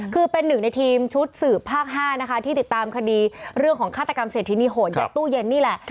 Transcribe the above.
คือเป็นหนึ่งในทีมชุดสืบภาค๕นะคะที่ติดตามคดีเรื่องของฆาตกรรมเศรษฐินีโหดยัดตู้เย็นนี่แหละ